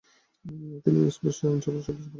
তিনি স্পেনীয় আইনসভার সদস্যপদ লাভ করেন।